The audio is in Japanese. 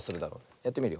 やってみるよ。